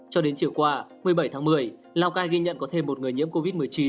cho đến chiều qua một mươi bảy tháng một mươi lào cai ghi nhận có thêm một người nhiễm covid một mươi chín